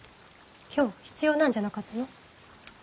今日必要なんじゃなかったの。